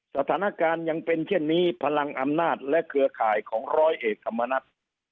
สถานการณ์ยังเป็นเช่นนี้พลังอำนาจและเครือข่ายของร้อยเอกธรรมนัฐ